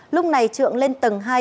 lúc này trượng lên tầng hai